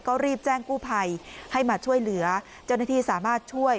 ก็รีบแจ้งกู้ภัยให้มาช่วยเหลือเจ้าหน้าที่สามารถช่วย